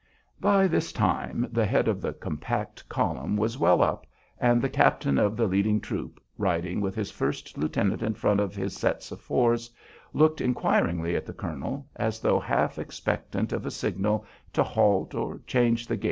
By this time the head of the compact column was well up, and the captain of the leading troop, riding with his first lieutenant in front of his sets of fours, looked inquiringly at the colonel, as though half expectant of a signal to halt or change the gait.